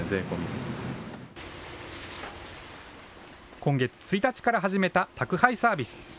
今月１日から始めた宅配サービス。